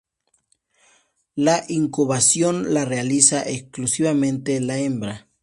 La incubación la realiza exclusivamente la hembra.